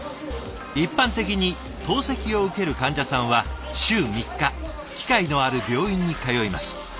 一般的に透析を受ける患者さんは週３日機械のある病院に通います。